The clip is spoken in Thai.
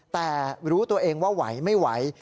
แต่รู้ตัวเองว่าไหวไม่ไหว